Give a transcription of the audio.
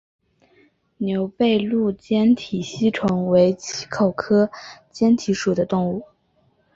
牛背鹭坚体吸虫为棘口科坚体属的动物。